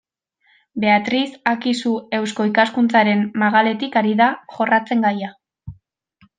Beatriz Akizu Eusko Ikaskuntzaren magaletik ari da jorratzen gaia.